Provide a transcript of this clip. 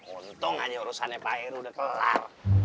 untung saja urusannya pak heru sudah kelar